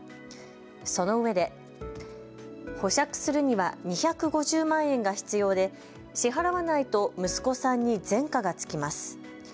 そのうえで保釈するには２５０万円が必要で支払わないと息子さんに前科が付きます。